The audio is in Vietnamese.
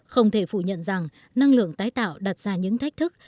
không thể phủ nhận rằng năng lượng tái tạo đặt ra những thách thức